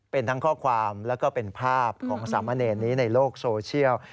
เป็นทั้งข้อความแล้วก็เป็นภาพของสามเณรนี้ในโลกโซเชียล